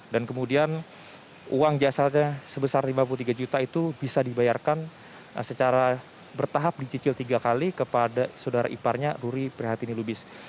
dan kemudian uang jasanya sebesar lima puluh tiga juta itu bisa dibayarkan secara bertahap dicicil tiga kali kepada saudara iparnya ruri prihatini lubis